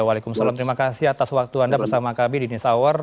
waalaikumsalam terima kasih atas waktu anda bersama kami di news hour